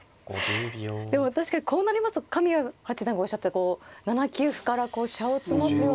でも確かにこうなりますと神谷八段がおっしゃった７九歩から飛車を詰ますような手も。